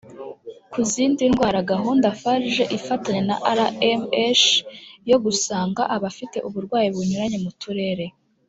ku zindi ndwara gahunda farg ifatanya na rmh yo gusanga abafite uburwayi bunyuranye mu turere